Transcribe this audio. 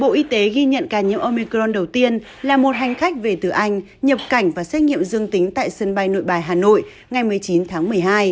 bộ y tế ghi nhận ca nhiễm omicron đầu tiên là một hành khách về từ anh nhập cảnh và xét nghiệm dương tính tại sân bay nội bài hà nội ngày một mươi chín tháng một mươi hai